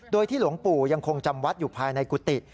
โดยที่หลวงปู่ยังคงจำวัดอยู่ภายในกุฏิ